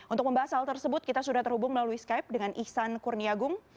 untuk membahas hal tersebut kita sudah terhubung melalui skype dengan ihsan kurniagung